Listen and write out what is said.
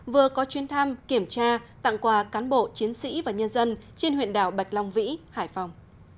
vừa có chuyến thăm kiểm tra tặng quà cán bộ chiến sĩ và nhân dân trên huyện đảo bạch long vĩ hải phòng